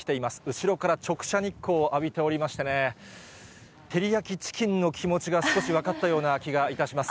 後ろから直射日光を浴びておりましてね、照り焼きチキンの気持ちが少し分かったような気がします。